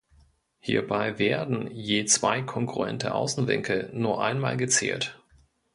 Hierbei werden je zwei kongruente Außenwinkel nur einmal gezählt.